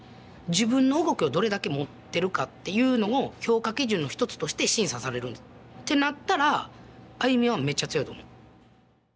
自分の動きをどれだけ持ってるかっていうのを評価基準の一つとして審査される。ってなったらＡＹＵＭＩはめっちゃ強いと思う。